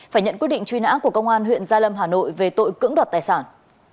phải nhận quyết định truy nã của công an huyện gia lâm hà nội về tội cưỡng đoạt tài sản